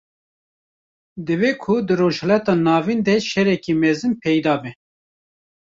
Dibe ku di rojhilata navîn de şereke mezin peyda be